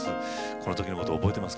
この時のこと覚えてますか？